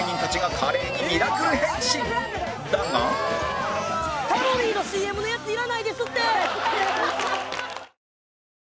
カロリーのＣＭのやついらないですって！